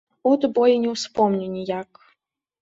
От бо і не ўспомню ніяк.